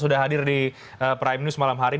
sudah hadir di prime news malam hari ini